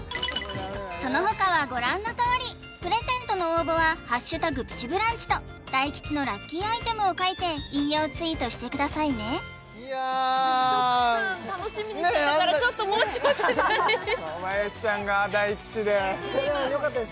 そのほかはご覧のとおりプレゼントの応募は「＃プチブランチ」と大吉のラッキーアイテムを書いて引用ツイートしてくださいねヒョクさん楽しみにしてたからちょっと申し訳ない小林ちゃんが大吉ですでもよかったです